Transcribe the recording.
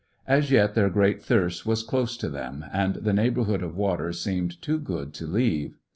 As yet their great thirst was close to them, and the neighbourhood of water seemed too good to leave.